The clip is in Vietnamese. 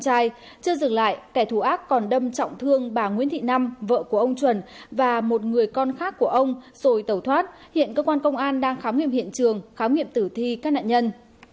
hãy đăng kí cho kênh lalaschool để không bỏ lỡ những video hấp dẫn